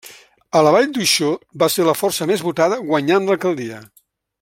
A la Vall d'Uixó va ser la força més votada guanyant l'alcaldia.